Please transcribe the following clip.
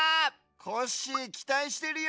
コッシーきたいしてるよ。